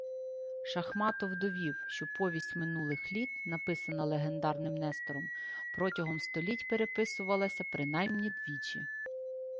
Шахматов довів, що «Повість минулих літ», написана легендарним Нестором, протягом століть переписувалася принаймні двічі